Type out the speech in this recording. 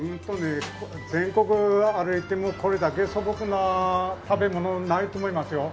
全国歩いてもこれだけ素朴な食べ物ないと思いますよ。